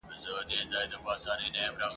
او د هغه زړه به زنګ ونیسي